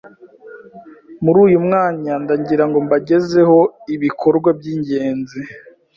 Muri uyu mwanya ndagira ngo mbagezeho ibikorwa by ingenzi